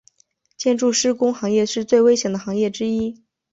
建筑施工行业是最危险的行业之一。